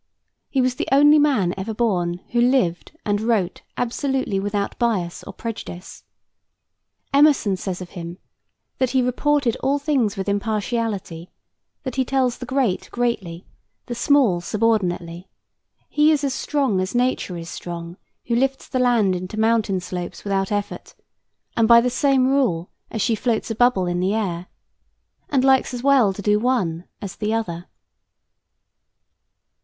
He was the only man ever born who lived and wrote absolutely without bias or prejudice. Emerson says of him that "he reported all things with impartiality; that he tells the great greatly, the small subordinately, he is strong as Nature is strong, who lifts the land into mountain slopes without effort, and by the same rule as she floats a bubble in the air, and likes as well to do the one as the other."